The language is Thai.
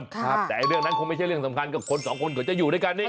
แต่เรื่องนั้นคงไม่ใช่เรื่องสำคัญกับคนสองคนเขาจะอยู่ด้วยกันนี่